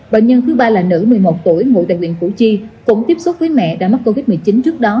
bệnh nhân thứ ba là nữ một mươi một tuổi ngụ tại huyện củ chi cũng tiếp xúc với mẹ đã mắc covid một mươi chín trước đó